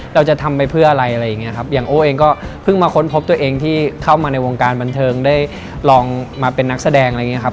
เราจะทำไปเพื่ออะไรอะไรอย่างเงี้ยครับอย่างโอ้เองก็เพิ่งมาค้นพบตัวเองที่เข้ามาในวงการบันเทิงได้ลองมาเป็นนักแสดงอะไรอย่างเงี้ครับ